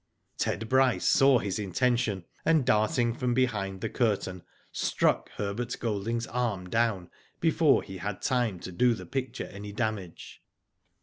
Ted Bryce saw his intention, and darting from behind the curtain struck Herbert Golding^s arm down before he had time to do the picture any damage.